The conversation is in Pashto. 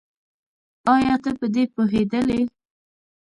ايا ته په دې پوهېدلې؟